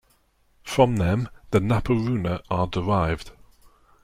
From them the Napo-runa are derived.